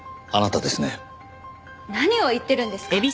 何を言ってるんですか？